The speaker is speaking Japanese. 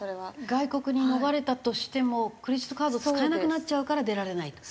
外国に逃れたとしてもクレジットカード使えなくなっちゃうから出られないと。